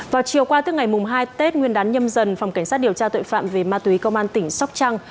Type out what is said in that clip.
vào chiều qua tức ngày hai tết nguyên đán nhâm dần phòng cảnh sát điều tra tội phạm về ma túy công an tỉnh sóc trăng